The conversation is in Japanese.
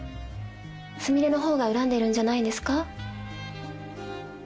スミレのほうが恨んでるんじゃないですか？